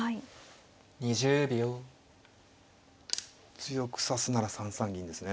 強く指すなら３三銀ですね。